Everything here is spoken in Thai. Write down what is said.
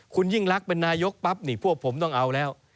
คุณยิ่งรักเป็นนายกปั๊บนี่พวกผมต้องเอาแล้ว